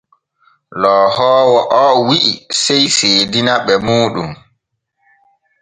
Loohoowo o wi’i sey seedina ɓe muuɗum.